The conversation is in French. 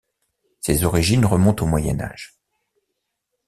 Ses origines remontent au Moyen Âge.